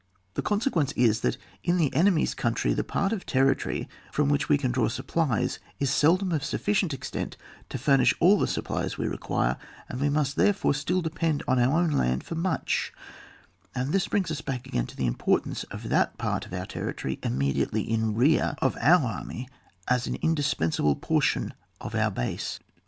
The con sequence is, that in the enemy's country, the part of territory from which we can draw supplies is seldom of sufficient extent to furnish all the supplies we require, and we must therefore still depend on our own land for much, and this brings us back again to the importance of that part of our territory immediately in rear of our army as an indispensable portion of our base.